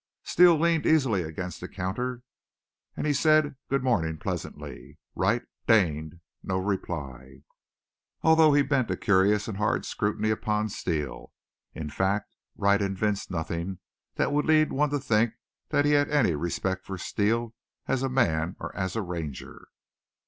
Steele leaned easily against the counter, and he said good morning pleasantly. Wright deigned no reply, although he bent a curious and hard scrutiny upon Steele. In fact, Wright evinced nothing that would lead one to think he had any respect for Steele as a man or as a Ranger.